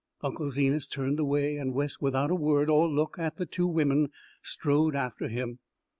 Unc' Zenas turned away and Wes, without a word or look at the two women, strode after him.